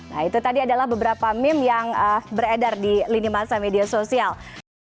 nah itu tadi adalah beberapa meme yang beredar di lini masa media sosial